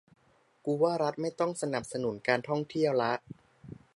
กูว่ารัฐไม่ต้องสนับสนุนการท่องเที่ยวละ